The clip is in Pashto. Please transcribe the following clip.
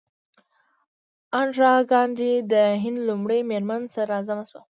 اندرا ګاندي د هند لومړۍ میرمن صدراعظم شوه.